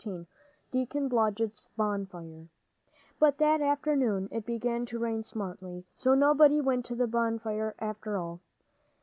XIV DEACON BLODGETT'S BONFIRE But that afternoon it began to rain smartly, so nobody went to the bonfire after all.